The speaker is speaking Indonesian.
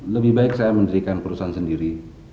lebih baik saya mendirikan perusahaan sendiri